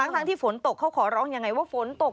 ทั้งที่ฝนตกเขาขอร้องยังไงว่าฝนตก